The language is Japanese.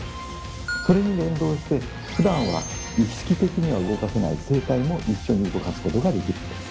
それに連動してふだんは意識的には動かせない声帯も一緒に動かすことができるんです。